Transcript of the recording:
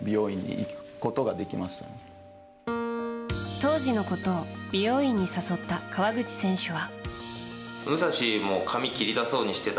当時のことを美容院に誘った川口選手は。